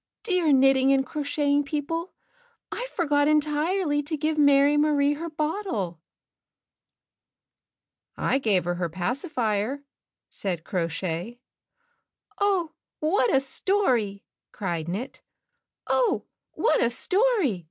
"Dear Knitting and Crocheting People, I forgot entirely to give Mary Marie her bottle." "I gave her her pacifier," said Crow Shay. "Oh, what a story!" cried Knit. "Oh, what a story!"